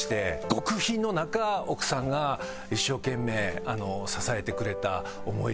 極貧の中奥さんが一生懸命支えてくれた。